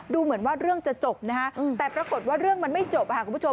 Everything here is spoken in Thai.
ดูเหมือนว่าเรื่องจะจบนะฮะแต่ปรากฏว่าเรื่องมันไม่จบค่ะคุณผู้ชม